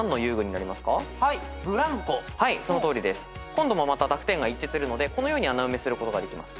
今度もまた濁点が一致するのでこのように穴埋めすることができます。